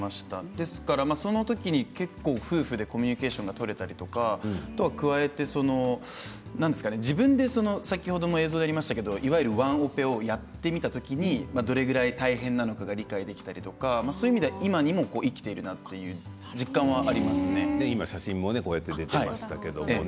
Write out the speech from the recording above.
ですからその時には夫婦でコミュニケーションが取れたりとか、加えて自分で先ほどの映像にありましたけどいわゆるワンオペをやってみた時に、どれくらい大変なのかが理解できたりとかそういう意味で今にも生きているなと実感はあり写真も出ていましたけどね。